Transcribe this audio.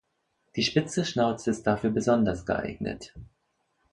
Die spitze Schnauze ist dafür besonders geeignet.